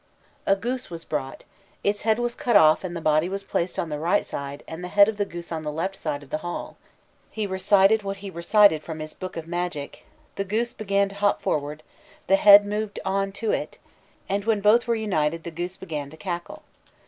A goose was brought, "its head was cut off and the body was placed on the right side, and the head of the goose on the left side of the hall: he recited what he recited from his book of magic, the goose began to hop forward, the head moved on to it, and, when both were united, the goose began to cackle.